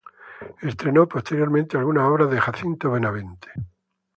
Estrenó, posteriormente, algunas obras de Jacinto Benavente.